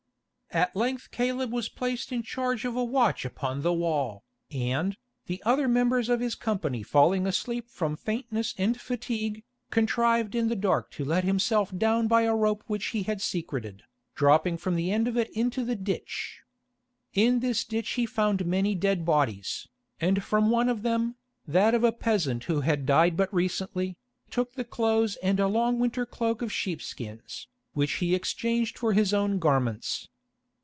At length Caleb was placed in charge of a watch upon the wall, and, the other members of his company falling asleep from faintness and fatigue, contrived in the dark to let himself down by a rope which he had secreted, dropping from the end of it into the ditch. In this ditch he found many dead bodies, and from one of them, that of a peasant who had died but recently, took the clothes and a long winter cloak of sheepskins, which he exchanged for his own garments.